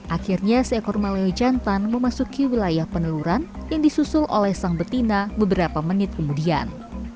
akhirnya seekor maleo jantan memasuki wilayah peneluran yang disusul oleh sang betina beberapa menit kemudian